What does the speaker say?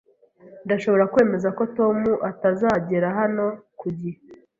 Ndashobora kwemeza ko Tom atazagera hano ku gihe